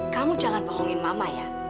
kamu jangan bohongin mama ya